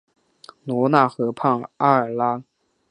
罗讷河畔阿尔拉。